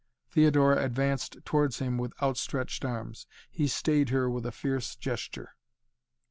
Theodora advanced towards him with outstretched arms. He stayed her with a fierce gesture.